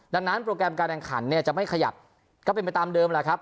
ดังนั้นโปรแกรมการแข่งขันเนี่ยจะไม่ขยับก็เป็นไปตามเดิมแหละครับ